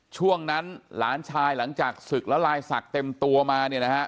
ช่วงนั้นหลานชายหลังจากศึกละลายศักดิ์เต็มตัวมา